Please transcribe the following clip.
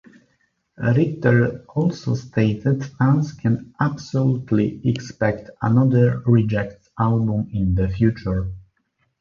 Ritter also stated fans can "absolutely" expect another Rejects album in the future.